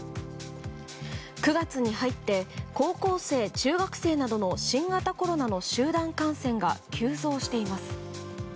９月に入って高校生、中学生などの新型コロナの集団感染が急増しています。